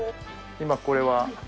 今、これは。